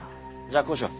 じゃあこうしよう。